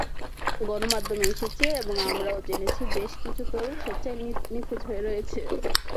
গণমাধ্যমে এসেছে এবং আমরাও জেনেছি, বেশ কিছু তরুণ স্বেচ্ছায় নিখোঁজ রয়েছে।